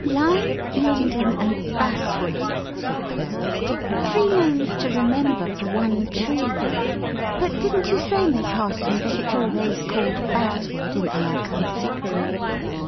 "Lime, linden and basswood," said Clara "three names to remember for one tree. But didn't you say, Miss Harson, that it's always called basswood in our country?"